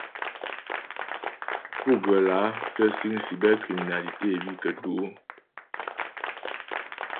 Pú ghə́ lǎ tə́ síŋ cybercriminalité bǐ kətú' ?